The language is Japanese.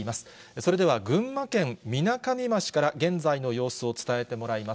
それでは、群馬県みなかみ町から現在の様子を伝えてもらいます。